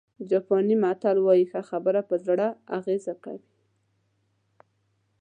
جاپاني متل وایي ښه خبره په زړه اغېزه کوي.